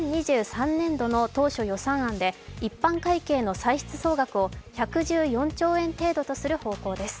政府は２０２３年度の当初予算案で一般会計の歳出総額を１１４兆円とする予定です。